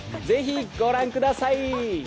ぜひご覧ください。